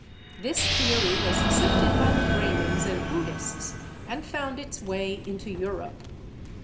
This theory was accepted by the Brahmans and Buddhists and found its way into Europe.